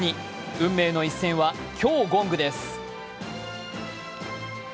運命の一戦は、今日ゴングです。